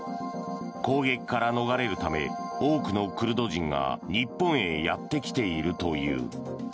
攻撃から逃れるため多くのクルド人が日本へやってきているという。